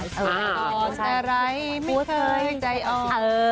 แต่ไร้ไม่เคยใจอ่อน